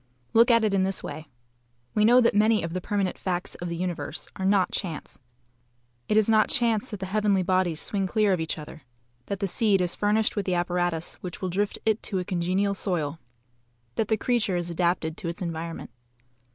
Look at it in this way. We know that many of the permanent facts of the universe are NOT chance. It is not chance that the heavenly bodies swing clear of each other, that the seed is furnished with the apparatus which will drift it to a congenial soil, that the creature is adapted to its environment.